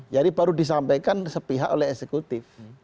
jadi baru disampaikan sepihak oleh eksekutif